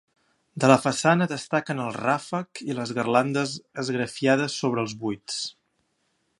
De la façana destaquen el ràfec i les garlandes esgrafiades sobre els buits.